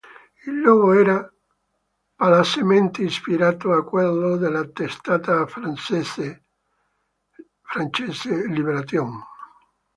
Il logo era palesemente ispirato a quello della testata francese "Libération".